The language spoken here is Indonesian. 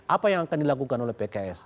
apa yang akan dilakukan oleh pks